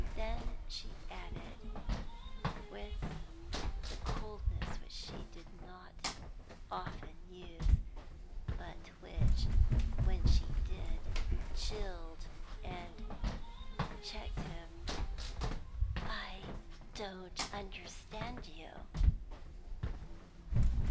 Then she added, with the coldness which she did not often use, but which, when she did, chilled and checked him "I don't understand you."